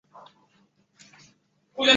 民国中央国术馆称为六合门。